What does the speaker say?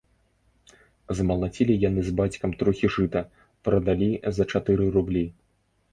Змалацілі яны з бацькам трохі жыта, прадалі за чатыры рублі.